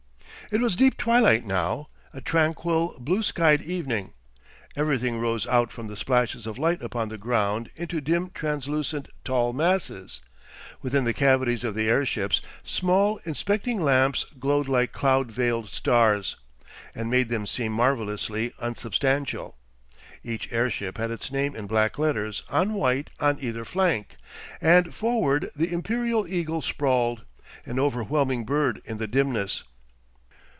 It was deep twilight now, a tranquil blue skyed evening; everything rose out from the splashes of light upon the ground into dim translucent tall masses; within the cavities of the airships small inspecting lamps glowed like cloud veiled stars, and made them seem marvellously unsubstantial. Each airship had its name in black letters on white on either flank, and forward the Imperial eagle sprawled, an overwhelming bird in the dimness.